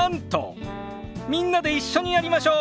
みんなで一緒にやりましょう！